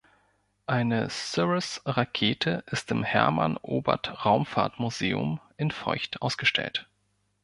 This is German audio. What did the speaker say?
Eine Cirrus-Rakete ist im Hermann-Oberth-Raumfahrt-Museum in Feucht ausgestellt.